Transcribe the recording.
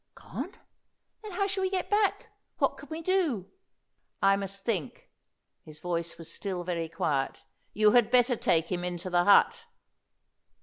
"Gone! Then how shall we go back? What can we do?" "I must think." His voice was still very quiet. "You had better take him into the hut."